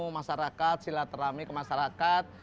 masyarakat sila terami ke masyarakat